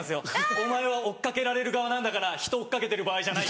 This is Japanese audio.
「お前は追っ掛けられる側なんだからひとを追っ掛けてる場合じゃない」。